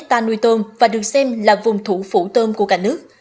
cà mau nuôi tôm và được xem là vùng thủ phủ tôm của cả nước